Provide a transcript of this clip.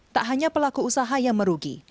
tak hanya pelaku usaha yang merugi